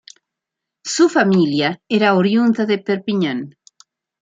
Su familia era oriunda de Perpiñán.